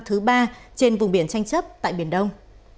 thứ ba trên vùng biển tranh chấp tại biển đông